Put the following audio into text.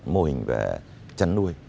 mô hình về chân nuôi